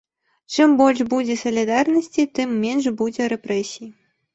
Чым больш будзе салідарнасці, тым менш будзе рэпрэсій.